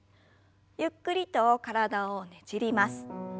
ゆっくりと体をねじります。